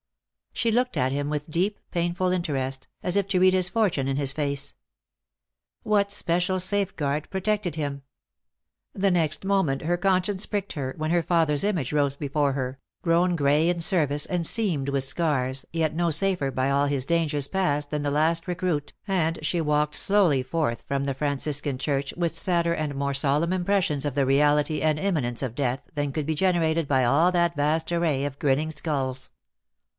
She looked at him with deep, painful inter est, as if to read his fortune in his face. What special safeguard protected him? The next moment her con science pricked her, when her father s image rose before her, grown gray in service, and seamed with scars, yet no safer by all his dangers past than the last re cruit, and she walked slowly forth from the Franciscan church with sadder and more solemn impressions of the reality and imminence of death than could be generated by all that vast array of grinning skulls.